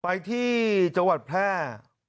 ไปที่จังหวัดแพร่